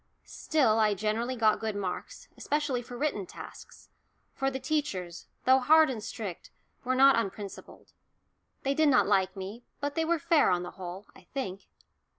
Still I generally got good marks, especially for written tasks, for the teachers, though hard and strict, were not unprincipled. They did not like me, but they were fair on the whole, I think.